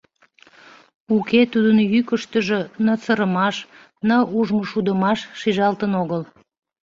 Уке тудын йӱкыштыжӧ ны сырымаш, ны ужмышудымаш шижалтын огыл...